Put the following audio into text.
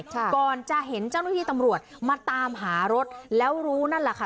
ก่อนจะเห็นเจ้าหน้าที่ตำรวจมาตามหารถแล้วรู้นั่นแหละค่ะ